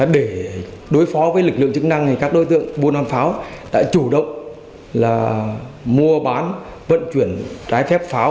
để đối phó với lực lượng chức năng các đối tượng buôn bán pháo đã chủ động mua bán vận chuyển trái phép pháo